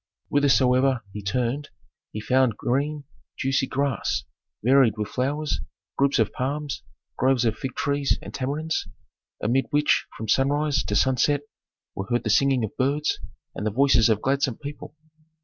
Whithersoever he turned he found green juicy grass varied with flowers, groups of palms, groves of fig trees and tamarinds, amid which from sunrise to sunset were heard the singing of birds and the voices of gladsome people.